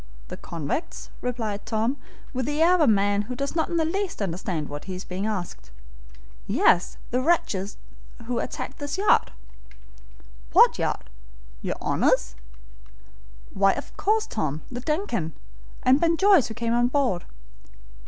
"The convicts?" replied Tom, with the air of a man who does not in the least understand what he is being asked. "Yes, the wretches who attacked the yacht." "What yacht? Your Honor's?" "Why, of course, Tom. The DUNCAN, and Ben Joyce, who came on board."